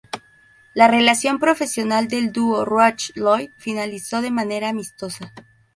La relación profesional del dúo Roach-Lloyd finalizó de manera amistosa.